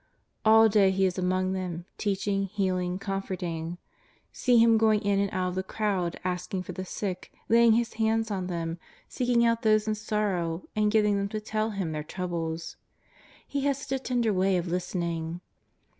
All day He is among them, teaching, healing, com forting. See Him going in and out of the crowd, asking for the sick, laying His hands on them, seeking out those in sorrow and getting them to tell Him their troubles. He has such a tender way of listening.